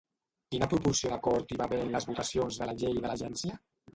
Quina proporció d'acord hi va haver en les votacions de la Llei de l'agència?